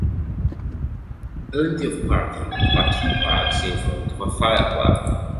Plenty of parking, but he parks in front of a fire plug.